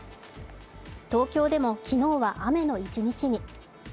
東京でも昨日は雨の一日に。